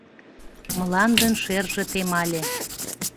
Мландын шерже темале.